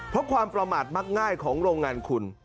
เพราะความประมาทมักง่ายของโรงงานคุณ